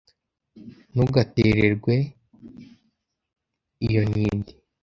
Ntugatererwe iyo ntindi!